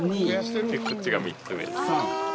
でこっちが３つ目です。